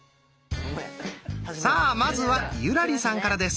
さあまずは優良梨さんからです。